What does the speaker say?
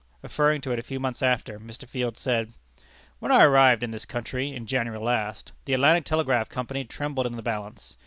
Referring to it a few months after, Mr. Field said: "When I arrived in this country, in January last, the Atlantic Telegraph Company trembled in the balance.